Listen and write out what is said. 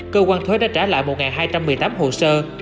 cơ quan thuế đã trả lại một hai trăm một mươi tám hồ sơ